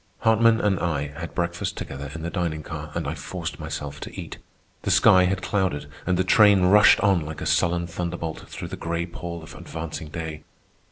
Hartman and I had breakfast together in the dining car, and I forced myself to eat. The sky had clouded, and the train rushed on like a sullen thunderbolt through the gray pall of advancing day.